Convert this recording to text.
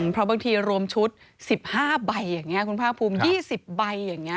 เพราะบางทีรวมชุด๑๕ใบอย่างนี้คุณภาคภูมิ๒๐ใบอย่างนี้